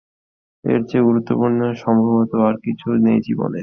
এর চেয়ে গুরুত্বপূর্ণ সম্ভবত আর কিছু নেই জীবনে।